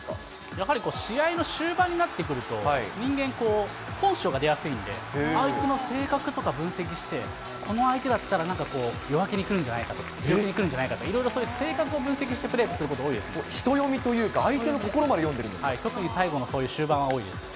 やはり試合の終盤になってくると、人間こう、本性が出やすいんで、相手の性格とか分析して、この相手だったら、なんかこう、弱気にくるんじゃないかとか、強気にくるんじゃないかとか、いろいろそういう性格を分析して人読みというか、相手の心ま特に、最後にそういう終盤は多いです。